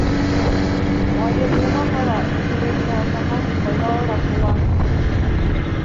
— Майы булмаһа ла, эҫеләй генә ашаһаң, файҙалыраҡ була.